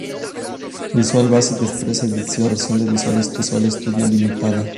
Visual Basic Express Edition es una versión de Visual Studio limitada.